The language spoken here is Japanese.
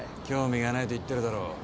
興味がないと言ってるだろ。